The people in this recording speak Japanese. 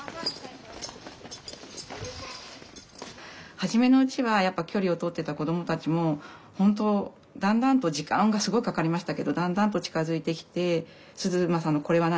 初めのうちはやっぱ距離をとってた子どもたちも本当だんだんと時間がすごいかかりましたけどだんだんと近づいてきて涼将のこれは何？